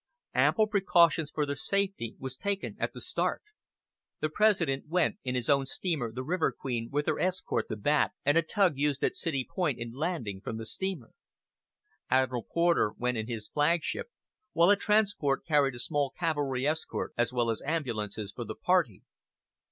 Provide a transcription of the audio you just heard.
Ample precautions for their safety were taken at the start. The President went in his own steamer, the River Queen, with her escort, the Bat, and a tug used at City Point in landing from the steamer. Admiral Porter went in his flagship; while a transport carried a small cavalry escort, as well as ambulances for the party.